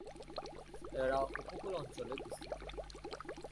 এরা উপকূল অঞ্চলে বিস্তৃত।